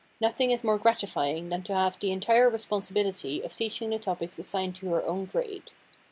Nothing is more gratifying than to have the entire responsibility of teaching the topics assigned to her own grade.